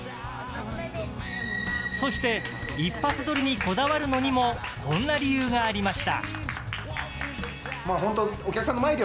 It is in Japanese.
そして一発録りにこだわるのにもこんな理由がありました。